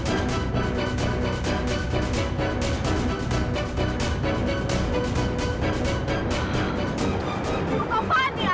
aku mau ke bawah dia